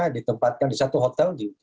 ditempatkan di satu hotel